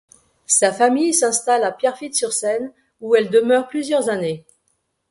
Sa famille s'installe à Pierrefitte-sur-Seine, où elle demeure plusieurs années.